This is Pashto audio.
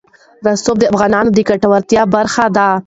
رسوب د افغانانو د ګټورتیا برخه ده.